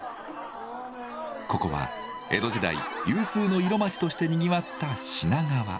ここは江戸時代有数の色街としてにぎわった品川。